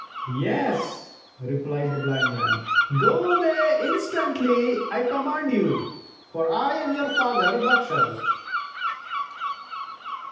"Yes," replied the Blind Man; "go away instantly, I command you, for I am your father Bakshas."